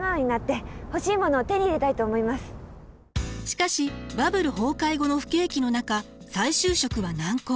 しかしバブル崩壊後の不景気の中再就職は難航。